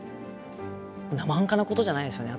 なまはんかなことじゃないですよね。